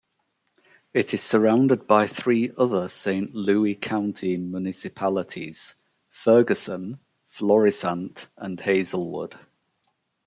It is surrounded by three other Saint Louis County municipalities: Ferguson, Florissant, and Hazelwood.